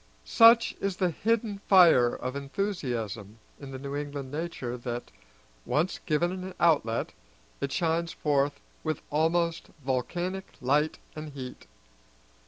Such is the hidden fire of enthusiasm in the New England nature that, once given an outlet, it shines forth with almost volcanic light and heat.